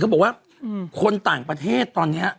บอกว่าคนต่างประเทศตอนนี้